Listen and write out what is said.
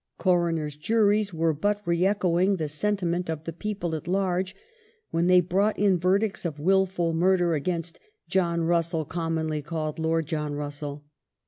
Coroners' juries were but re echoing the sentiment of the people at large when they brought in verdicts of wilful murder against "John Russell, commonly called Lord John Russell".